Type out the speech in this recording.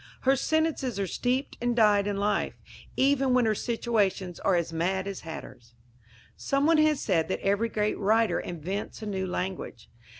Her sentences are steeped and dyed in life, even when her situations are as mad as hatters. Some one has said that every great writer invents a new language.